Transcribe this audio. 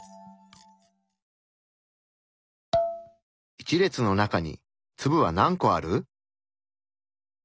一列の中に粒は何個ある？